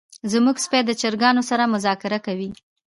زمونږ سپی د چرګانو سره مذاکره کوي.